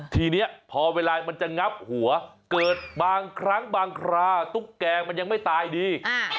ทีนี้พอเวลามันจะงับหัวเกิดบางครั้งบางคราตุ๊กแกงมันยังไม่ตายดี